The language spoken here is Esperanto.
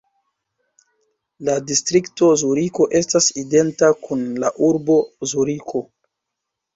La distrikto Zuriko estas identa kun la urbo Zuriko.